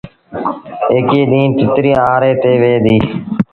ايڪيٚ ڏيٚݩهݩ تتريٚ آري تي ويه ديٚ۔